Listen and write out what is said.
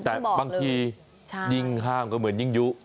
แต่บางทียิ่งห้ามก็เหมือนยิ่งยุ